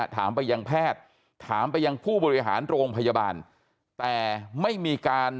เธอถามไปยังโรงพยาบาล